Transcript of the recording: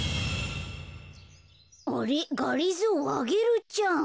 あれがりぞーアゲルちゃん。